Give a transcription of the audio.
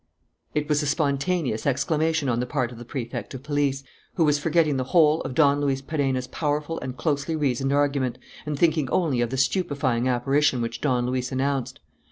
It was a spontaneous exclamation on the part of the Prefect of Police, who was forgetting the whole of Don Luis Perenna's powerful and closely reasoned argument, and thinking only of the stupefying apparition which Don Luis announced.